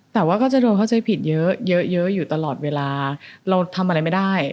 แต่ว่าก็จะโดนเข้าใจผิดเยอะเยอะอยู่ตลอดเวลาเราทำอะไรไม่ได้